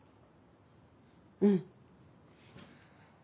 うん。